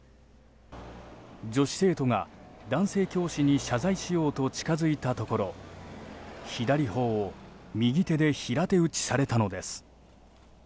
女子生徒が男性教師に謝罪しようと近づいたところ左頬を右手で平手打ちされたのです。